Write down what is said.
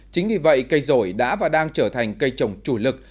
chính vì vậy cây rổi đã và đang trở thành cây trồng chủ lực